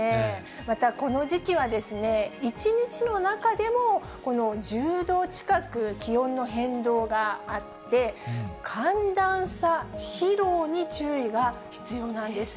またこの時期はですね、１日の中でも１０度近く気温の変動があって、寒暖差疲労に注意が必要なんです。